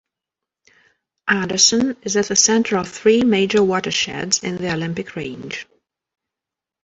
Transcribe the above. Anderson is at the center of three major watersheds in the Olympic Range.